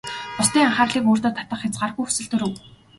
Бусдын анхаарлыг өөртөө татах хязгааргүй хүсэл төрөв.